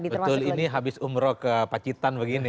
betul ini habis umroh ke pacitan begini